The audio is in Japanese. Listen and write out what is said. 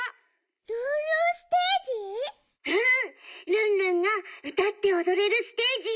ルンルンがうたっておどれるステージ！」。